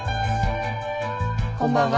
こんばんは。